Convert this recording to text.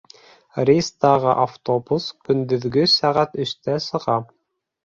Рейстағы автобус көндөҙгө сәғәт өстә сыға.